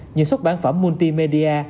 những xuất bản phẩm multimedia